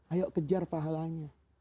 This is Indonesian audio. ayo kejar pahalanya